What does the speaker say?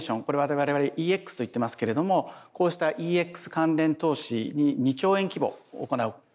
これを我々は「ＥＸ」と言ってますけれどもこうしたＥＸ関連投資に２兆円規模行う。